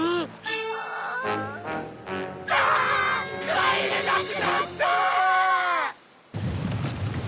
帰れなくなったー！